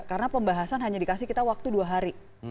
karena pembahasan hanya dikasih kita waktu dua hari